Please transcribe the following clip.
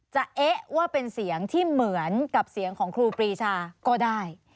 เอ๊ะว่าเป็นเสียงที่เหมือนกับเสียงของครูปรีชาก็ได้